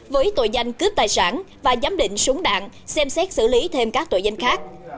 với tội danh cướp tài sản và giám định súng đạn xem xét xử lý thêm các tội danh khác